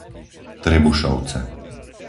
Trebušovce